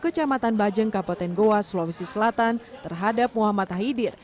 kecamatan bajeng kabupaten goa sulawesi selatan terhadap muhammad haidir